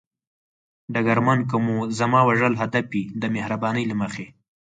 ډګرمن: که مو زما وژل هدف وي، د مهربانۍ له مخې.